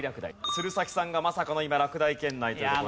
鶴崎さんがまさかの今落第圏内というところ。